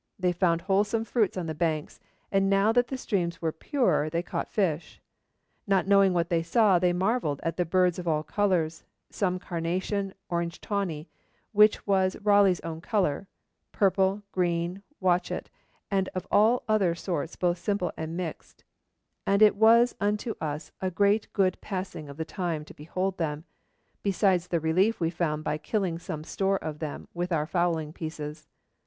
They found wholesome fruits on the banks, and now that the streams were purer they caught fish. Not knowing what they saw, they marvelled at the 'birds of all colours, some carnation, orange tawny,' which was Raleigh's own colour, 'purple, green, watchet and of all other sorts both simple and mixed, as it was unto us a great good passing of the time to behold them, besides the relief we found by killing some store of them with our fowling pieces.'